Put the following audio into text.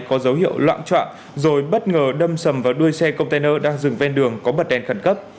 có dấu hiệu loạn trọng rồi bất ngờ đâm sầm vào đuôi xe container đang dừng ven đường có bật đèn khẩn cấp